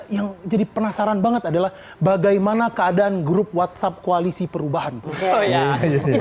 yang jadi penasaran banget adalah bagaimana keadaan grup whatsapp koalisi perubahan